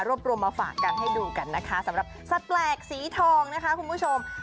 รวมมาฝากกันให้ดูกันนะคะสำหรับสัตว์แปลกสีทองนะคะคุณผู้ชม